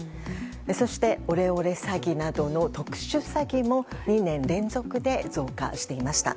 そしてオレオレ詐欺などの特殊詐欺も２年連続で増加していました。